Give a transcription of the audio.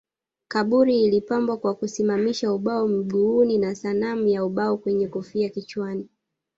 Kaburi ilipambwa kwa kusimamisha ubao mguuni na sanamu ya ubao mwenye kofia kichwani